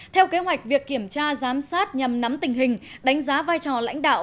theo kế hoạch việc kiểm tra giám sát nhằm nắm tình hình đánh giá vai trò lãnh đạo